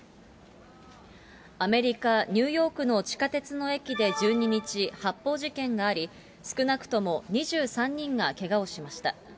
アメリカ・ニューヨークの地下鉄の駅で１２日、発砲事件があり、少なくとも２３人がけがをしました。